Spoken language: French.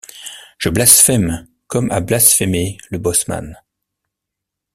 Je blasphème, comme a blasphémé le bosseman!...